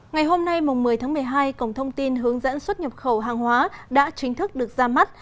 ngày hôm nay một mươi tháng một mươi hai cổng thông tin hướng dẫn xuất nhập khẩu hàng hóa đã chính thức được ra mắt